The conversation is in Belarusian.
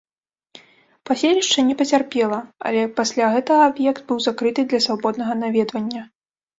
Паселішча не пацярпела, але пасля гэтага аб'ект быў закрыты для свабоднага наведвання.